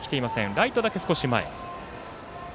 ライトだけ少し前。